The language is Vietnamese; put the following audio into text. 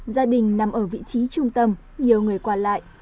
gia đình nằm ở vị trí trung tâm nhiều người qua lại